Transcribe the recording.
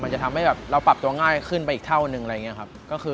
จะทำให้แบบเราปรับตัวง่ายขึ้นไปอีกเท่านึงอะไรอย่างนี้ครับ